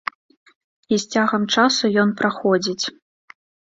І з цягам часу ён праходзіць.